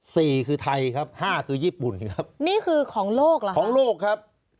สี่คือไทยครับห้าคือญี่ปุ่นครับนี่คือของโลกเหรอครับของโลกครับ